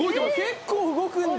結構動くんだ。